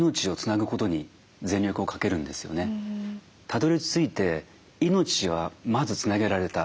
たどりついて命はまずつなげられた。